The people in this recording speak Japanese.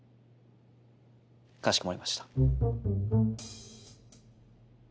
かしこまりました。